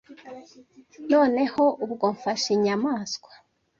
noneho ubwo mfashe inyamaswa